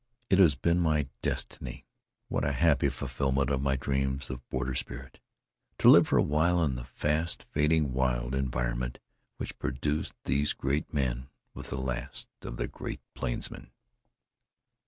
It has been my destiny what a happy fulfillment of my dreams of border spirit! to live for a while in the fast fading wild environment which produced these great men with the last of the great plainsmen.